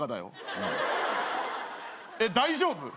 うんえっ大丈夫？